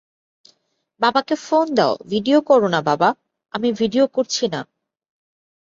বাবাকে ফোন দাও ভিডিও করো না বাবাঃ আমি ভিডিও করছি না।